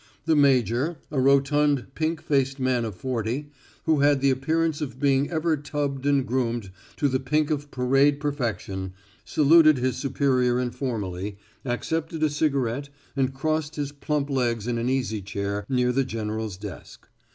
The major, a rotund pink faced man of forty, who had the appearance of being ever tubbed and groomed to the pink of parade perfection, saluted his superior informally, accepted a cigarette and crossed his plump legs in an easy chair near the general's desk.